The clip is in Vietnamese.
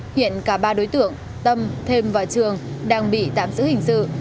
hiện cả ba đối tượng tâm thêm và trường đang bị tạm giữ hình sự